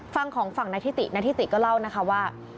ฟังของฝั่งนาธิตินาธิติก็เล่าว่า